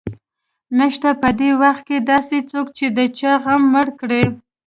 نشته په دې وخت کې داسې څوک چې د چا غم مړ کړي